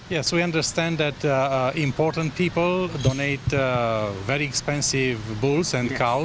ya kami mengerti bahwa orang orang penting memberikan bulan yang sangat mahal